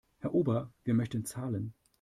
Herr Ober, wir möchten zahlen.